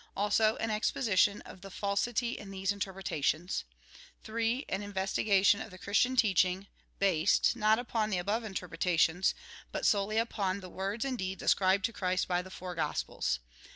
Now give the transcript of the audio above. Also, an exposition of the falsity in these interpre tations. 3. An investigation of the Christian teaching, based, not upon the above interpretations, but solely upon the words and deeds ascribed to Christ by the four Gospels.